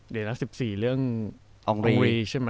เดี๋ยวละ๑๔เรื่องโรยีใช่มั้ย